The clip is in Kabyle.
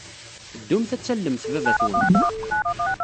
Ddumt ad tallemt baba-twent.